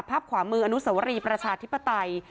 ขวามืออนุสวรีประชาธิปไตย